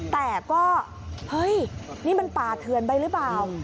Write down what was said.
แต่ก็เฮ้ยนี่มันป่าเถื่อนไปหรือเปล่า